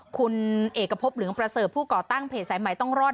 คุณเอกพบเหลืองประเสริฐผู้ก่อตั้งเพจสายใหม่ต้องรอด